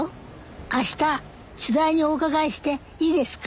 あした取材にお伺いしていいですか？